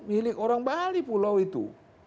milik orang bali pulau itu